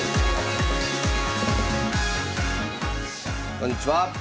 ⁉こんにちは。